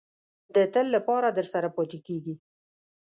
د تل لپاره درسره پاتې کېږي.